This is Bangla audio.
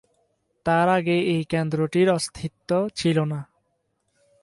তার আগে এই কেন্দ্রটির অস্তিত্ব ছিল না।